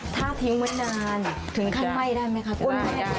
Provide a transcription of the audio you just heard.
ถ้าทิ้งไว้นานถึงขั้นไหม้ได้ไหมคะคุณ